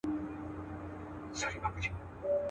زما جانان ګل د ګلاب دی برخه ورکړې له ژوندونه.